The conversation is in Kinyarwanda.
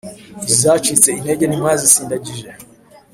izacitse intege ntimwazisindagije